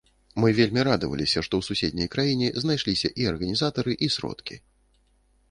Мы вельмі радаваліся што ў суседняй краіне знайшліся і арганізатары і сродкі.